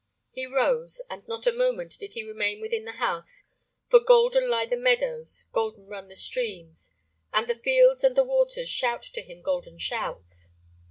He rose, and not a moment did he remain within the house, for "golden lie the meadows, golden run the streams," and "the fields and the waters shout to him golden shouts."